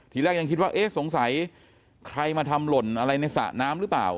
ทีแรกยังคิดว่าเอ๊ะสงสัยใครมาทำหล่นอะไรในสระน้ำหรือเปล่า